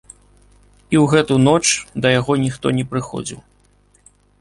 І ў гэту ноч да яго ніхто не прыходзіў.